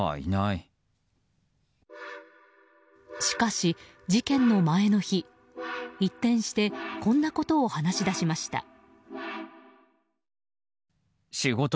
しかし事件の前の日、一転してこんなことを話し出しました。